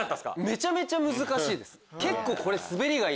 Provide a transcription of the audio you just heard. めちゃめちゃ難しいです。